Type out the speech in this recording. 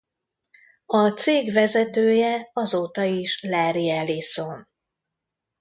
A cég vezetője azóta is Larry Ellison.